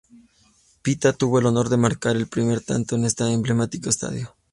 Pita tuvo el honor de marcar el primer tanto en este emblemático estadio.